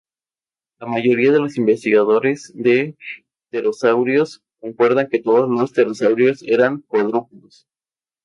La mayoría de los investigadores de pterosaurios concuerdan que todos los pterosaurios eran cuadrúpedos.